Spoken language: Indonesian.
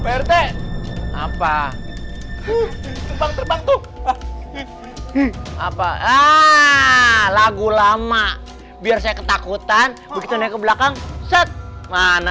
prt apa terbang terbang tuh apa lagu lama biar saya ketakutan begitu naik ke belakang set mana